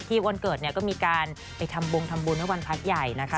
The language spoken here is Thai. ที่วันเกิดก็มีการไปทำบุงทำบุญเมื่อวันพัฒน์ใหญ่นะคะ